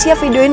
masuk ke dalam